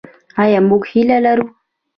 آیا موږ هیله لرو؟